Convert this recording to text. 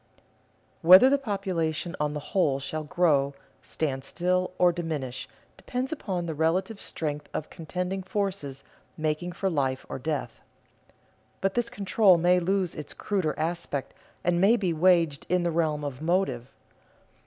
_ Whether the population on the whole shall grow, stand still, or diminish, depends upon the relative strength of contending forces making for life or death. But this control may lose its cruder aspect and may be waged in the realm of motive.